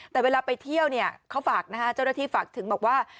แต่เวลาไปเที่ยวเนี่ยเจ้าหน้าที่ฝากถึงบอกว่า